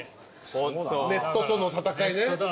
ネットとの戦いね。